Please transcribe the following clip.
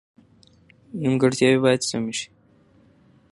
نیمګړتیاوې باید سمې شي.